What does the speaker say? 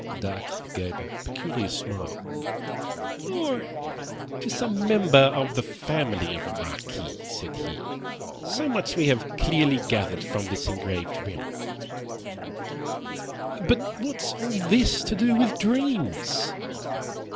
Dacre gave a peculiar smile. "Or to some member of the family of a marquis," said he. "So much we have clearly gathered from this engraved rim." "But what has all this to do with dreams?"